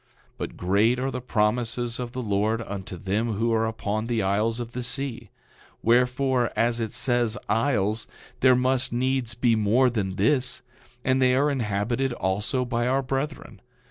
10:21 But great are the promises of the Lord unto them who are upon the isles of the sea; wherefore as it says isles, there must needs be more than this, and they are inhabited also by our brethren.